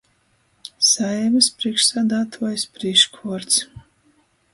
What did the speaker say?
Saeimys prīšksādātuojis prīškvuords.